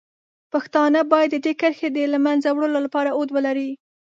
پښتانه باید د دې کرښې د له منځه وړلو لپاره هوډ ولري.